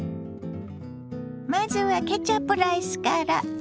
まずはケチャップライスから。